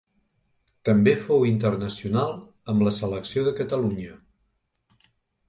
També fou internacional amb la selecció de Catalunya.